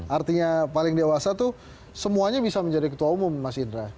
artinya paling dewasa itu semuanya bisa menjadi ketua umum mas indra